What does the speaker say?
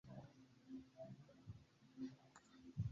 La eksporto fariĝis malpli profitdona, la importo malmultekostiĝis.